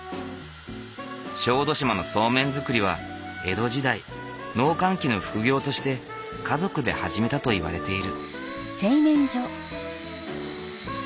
小豆島のそうめん作りは江戸時代農閑期の副業として家族で始めたといわれている。